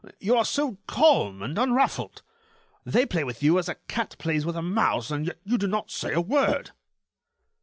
You are so calm and unruffled. They play with you as a cat plays with a mouse, and yet you do not say a word."